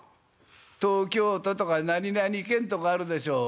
東京都とか何々県とかあるでしょ。